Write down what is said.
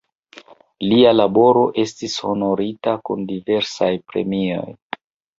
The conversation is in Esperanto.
Lia laboro estis honorita kun diversaj premioj.